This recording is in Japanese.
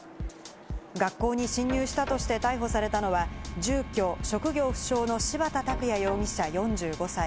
学校に侵入したとして逮捕されたのは住居・職業不詳の柴田卓也容疑者４５歳。